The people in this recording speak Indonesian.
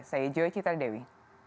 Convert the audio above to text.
saya joy citar dewi